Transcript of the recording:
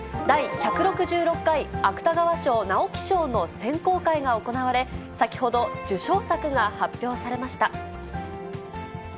第１６６回芥川賞・直木賞の選考会が行われ、先ほど、受賞作が発表されました。